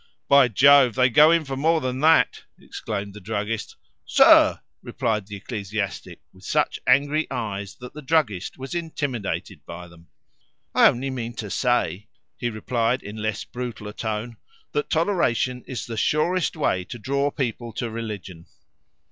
"By Jove! they go in for more than that," exclaimed the druggist. "Sir!" replied the ecclesiastic, with such angry eyes that the druggist was intimidated by them. "I only mean to say," he replied in less brutal a tone, "that toleration is the surest way to draw people to religion."